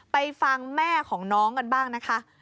ไปฟังแม่ของน้องกันบ้างนะคะ